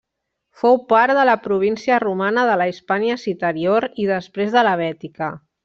Fou part de la província romana de la Hispània Citerior i després de la Bètica.